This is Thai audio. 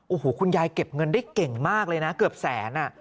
โอ้โหคุณยายเก็บเงินได้เก่งมากเลยนะเกือบแสน